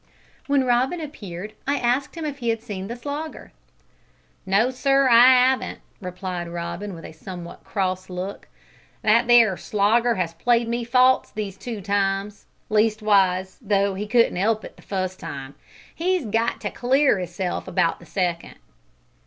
When Robin appeared I asked him if he had seen the Slogger. "No, sir, I 'aven't," replied Robin, with a somewhat cross look. "That there Slogger has played me false these two times. Leastwise, though he couldn't 'elp it the fust time, he's got to clear 'isself about the second."